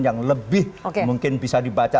yang lebih mungkin bisa dibaca